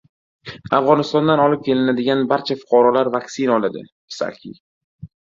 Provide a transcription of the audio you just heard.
Afg‘onistondan olib kelinadigan barcha fuqarolar vaksina oladi — Psaki